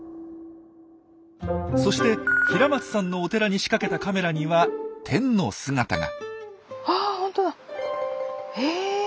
そして平松さんのお寺に仕掛けたカメラにはテンの姿が。